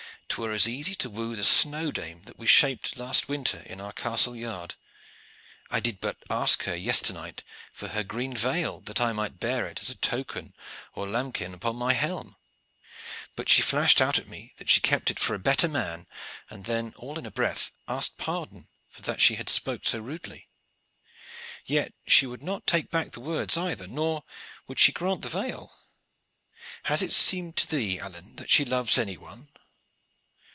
'Twere as easy to woo the snow dame that we shaped last winter in our castle yard. I did but ask her yesternight for her green veil, that I might bear it as a token or lambrequin upon my helm; but she flashed out at me that she kept it for a better man, and then all in a breath asked pardon for that she had spoke so rudely. Yet she would not take back the words either, nor would she grant the veil. Has it seemed to thee, Alleyne, that she loves any one?"